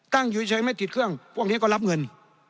อยู่เฉยไม่ติดเครื่องพวกนี้ก็รับเงิน